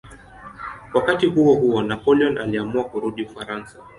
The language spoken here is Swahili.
Wakati huohuo Napoleon aliamua kurudi Ufaransa.